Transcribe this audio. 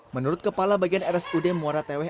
menurut kepala bagian rsud muara teweh